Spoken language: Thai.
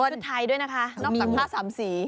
นี่คือไทยด้วยนะคะมีผ้าสามสี